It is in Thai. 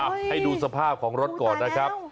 เอาให้ดูสภาพของรถก่อนนะครับ